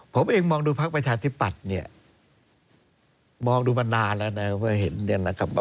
ผมเองมองดูพักประชาธิปัตย์เนี่ยมองดูมานานแล้วนะครับ